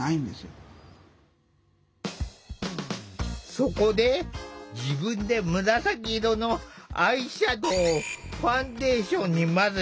そこで自分で紫色のアイシャドウをファンデーションに混ぜて塗ってみる。